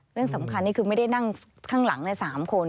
เรื่องสำคัญนี่คือไม่ได้นั่งข้างหลัง๓คน